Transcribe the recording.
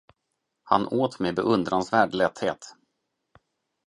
Han åt med beundransvärd lätthet.